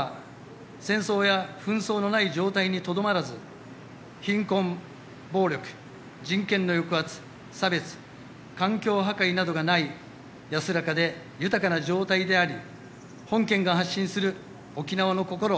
平和とは、戦争や紛争のない状態にとどまらず貧困、暴力、人権の抑圧、差別環境破壊等がない安らかで豊かな状態であり本県が発信する沖縄のこころ・